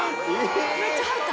めっちゃ入った！